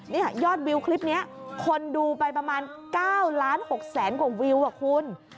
นี่ยอดวิวคลิปนี้คนดูไปประมาณ๙ล้าน๖แสนกว่าวิวอ่ะคุณ